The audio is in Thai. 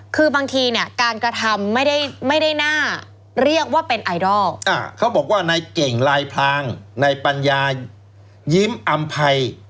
เขาบอกว่าในเก่งลายพลางในปัญญายิ้มอำภัย